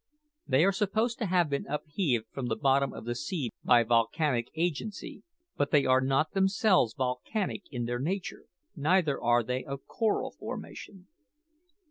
They are supposed to have been upheaved from the bottom of the sea by volcanic agency; but they are not themselves volcanic in their nature, neither are they of coral formation.